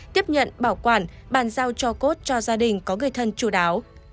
tiếp nhận bảo quản bàn giao cho cốt cho gia đình có người thân chú đáo